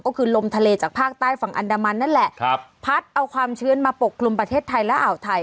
ก็คือลมทะเลจากภาคใต้ฝั่งอันดามันนั่นแหละครับพัดเอาความชื้นมาปกคลุมประเทศไทยและอ่าวไทย